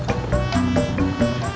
kamu lagi sibuk ga